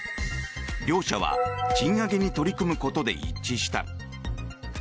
両者は賃上げに取り組むことで一致した。